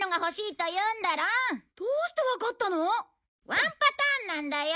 ワンパターンなんだよ！